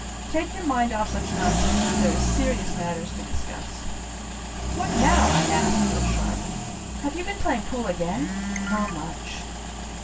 "Take your mind off such nonsense when there is serious matters to discuss." "What now?" I asked, real sharp. "Have you been playing pool again? How much?"